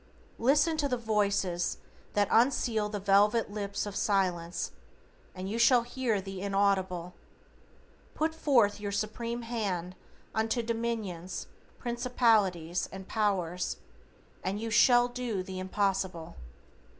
Listen to the Voices that unseal the velvet lips of Silence, and YOU SHALL HEAR THE INAUDIBLE. Put forth your Supreme hand unto Dominions, Principalities and Powers, and YOU SHALL DO THE IMPOSSIBLE.